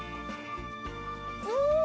うん！